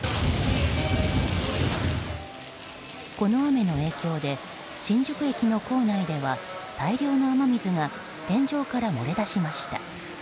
この雨の影響で新宿駅の構内では大量の雨水が天井から漏れ出しました。